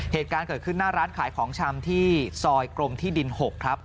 เหตุการณ์เกิดขึ้นหน้าร้านขายของชำที่ซอยกรมที่ดิน๖ครับ